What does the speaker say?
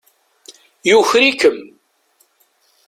Yuker-ikem.